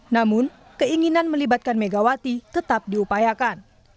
namun keinginan melibatkan megawati tetap diupayakan